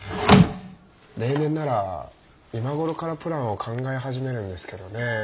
例年なら今頃からプランを考え始めるんですけどねえ。